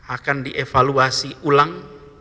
akan dievaluasi ulang